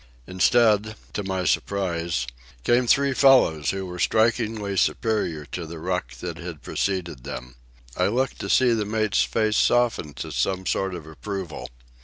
Instead, to my surprise, came three fellows who were strikingly superior to the ruck that had preceded them. I looked to see the mate's face soften to some sort of approval.